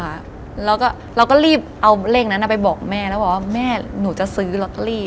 แล้วก็เราก็รีบเอาเลขนั้นไปบอกแม่แล้วบอกว่าแม่หนูจะซื้อลอตเตอรี่